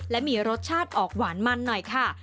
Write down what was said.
และมีรสชาติออกหวานมันหน่อยค่ะ